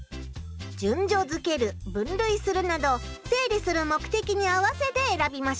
順序づける分類するなど整理する目的に合わせてえらびましょう。